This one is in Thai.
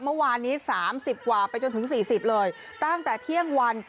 เมื่อวานนี้๓๐กว่าไปจนถึง๔๐เลยตั้งแต่เที่ยงวัน